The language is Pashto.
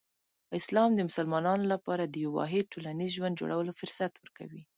اسلام د مسلمانانو لپاره د یو واحد ټولنیز ژوند جوړولو فرصت ورکوي.